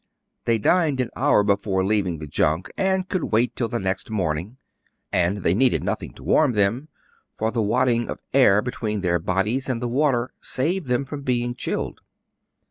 They dined an hour before leaving the junk, and could wait till the next morning; and they needed nothing to warm them, for the wad ding of air between their bodies and the water saved them from being chilled.